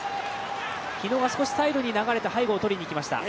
日野、少しサイドに流れて背後をとりにいきました。